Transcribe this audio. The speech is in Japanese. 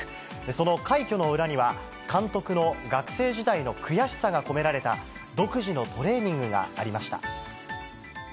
その快挙の裏には、監督の学生時代の悔しさが込められた独自のトレーニングがありました。